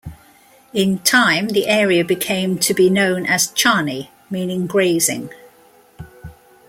In time the area became to be known as "Charni" meaning grazing.